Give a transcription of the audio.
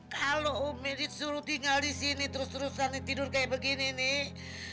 kalo ummi disuruh tinggal disini terus terusan tidur kaya begini nih